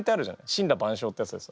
「森羅万象」ってやつですよ。